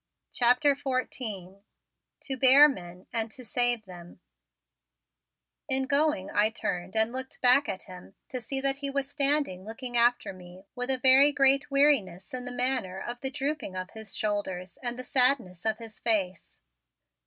CHAPTER XIV TO BEAR MEN AND TO SAVE THEM In going I turned and looked back at him to see that he was standing looking after me with a very great weariness in the manner of the drooping of his shoulders and the sadness of his face.